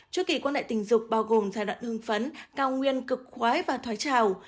chư kỳ quan hệ tình dục bao gồm giai đoạn hương phấn cao nguyên cực khoái và thoái trào